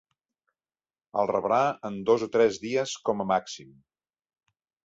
El rebrà en dos o tres dies com a màxim.